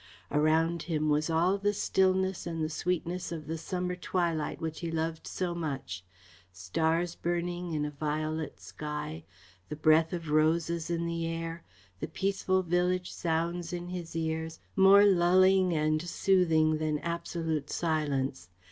Around him was all the stillness and the sweetness of the summer twilight which he loved so much; stars burning in a violet sky, the breath of roses in the air, the peaceful village sounds in his ears, more lulling and soothing than absolute silence.